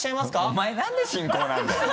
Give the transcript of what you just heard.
お前何で進行なんだよ！